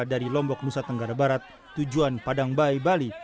dari lombok nusa tenggara barat tujuan padangbai bali